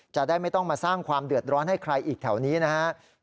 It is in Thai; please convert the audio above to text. จะได้ไม่ต้องมาสร้างความเดือดร้อนให้ใครอีกแถวนี้นะครับ